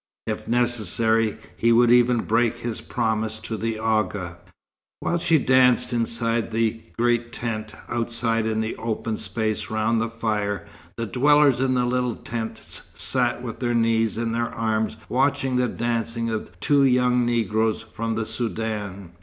If necessary, he would even break his promise to the Agha. While she danced inside the great tent, outside in the open space round the fire, the dwellers in the little tents sat with their knees in their arms watching the dancing of two young Negroes from the Soudan.